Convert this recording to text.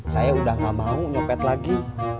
saya udah gak mau nyopet lagi